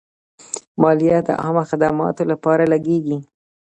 مالیه د عامه خدماتو لپاره لګیږي.